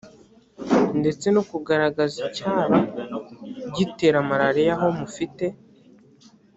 ndetse no kugaragaza icyaba gitera malariya aho mufite